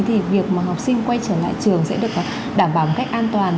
thì việc mà học sinh quay trở lại trường sẽ được đảm bảo một cách an toàn